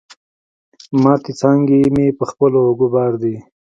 ماتي څانګي مي په خپلو اوږو بار دي